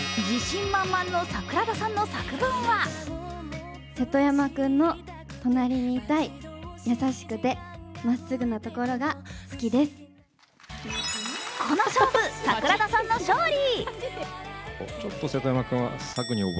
自信満々の桜田さんの作文はこの勝負、桜田さんの勝利。